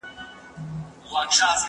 زه به اوږده موده د هنرونو تمرين کړی وم!!